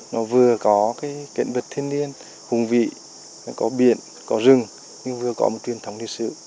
nó vừa có kiện vật thiên liên hùng vị có biển có rừng nhưng vừa có một truyền thống lịch sự